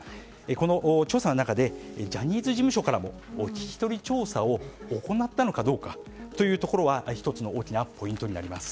この調査の中でジャニーズ事務所からも聞き取り調査を行ったのかどうかというところは１つの大きなポイントになります。